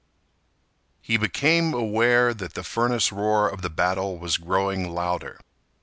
He became aware that the furnace roar of the battle was growing louder.